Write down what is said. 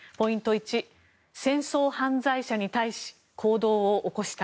１、戦争犯罪者に対し行動を起こした。